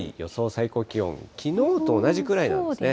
最高気温、きのうと同じくらいなんですね。